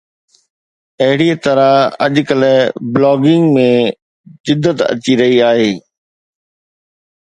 اهڙي طرح اڄڪلهه بلاگنگ ۾ جدت اچي رهي آهي